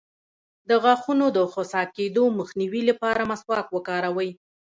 د غاښونو د خوسا کیدو مخنیوي لپاره مسواک وکاروئ